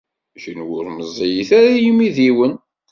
Kenwi ur meẓẓiyit ara, a imidiwen.